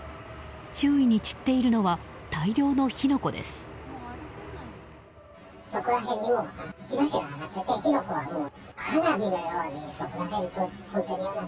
周囲に散っているのは大量の火の粉です。